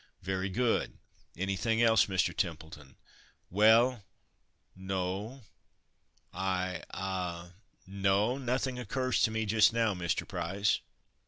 "Very good. Anything else, Mr. Templeton?" "Well no I ah no! nothing occurs to me just now, Mr. Price."